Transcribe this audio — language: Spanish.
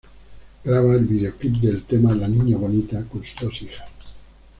Graba el videoclip de el tema "La niña bonita" con sus dos hijas.